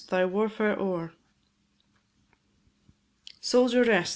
THY WARFARE O'ER. Soldier, rest!